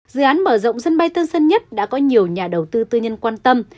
dự án mở rộng sân bay tân sơn nhất đã có nhiều nhà đầu tư tư nhân quan tâm